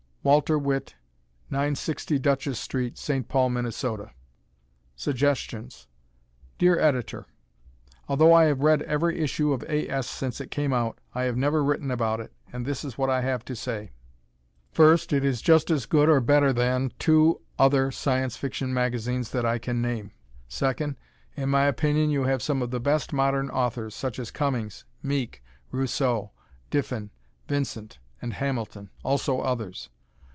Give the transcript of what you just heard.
Walter Witte, 960 Duchess St., St. Paul, Minn. Suggestions Dear Editor: Although I have read every issue of A. S. since it came out, I have never written about it, and this is what I have to say: First, it is just as good or better than two other Science Fiction magazines that I can name. Second, in my opinion you have some of the best modern authors, such as Cummings, Meek, Rousseau, Diffin, Vincent and Hamilton. Also others.